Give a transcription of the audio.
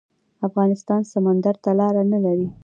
افغانستان سمندر ته لاره نلري